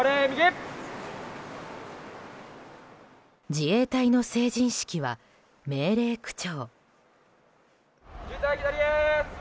自衛隊の成人式は命令口調。